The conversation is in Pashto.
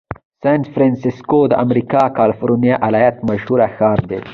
سان فرنسیسکو د امریکا کالفرنیا ایالت مشهوره ښار دی.